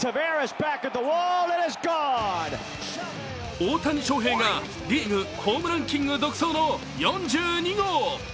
大谷翔平がリーグホームランキング独走の４２号。